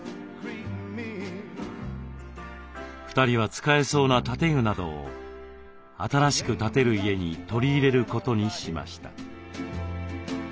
２人は使えそうな建具などを新しく建てる家に取り入れることにしました。